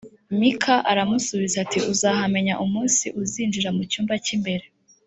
mikaya aramusubiza ati “uzahamenya umunsi uzinjira mu cyumba cy’imbere”